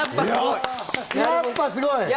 やっぱすごい！